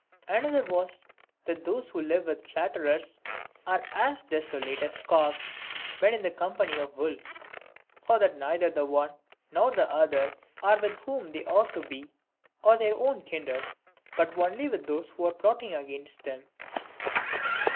Another was, that those who live with flatterers, are as desolate as calves when in the company of wolves ; for that neither the one nor the other are with those whom they ought to be, or their own kindred, but only with those who are plotting against them.